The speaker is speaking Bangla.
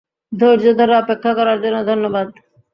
ধৈর্য ধরে অপেক্ষা করার জন্য ধন্যবাদ।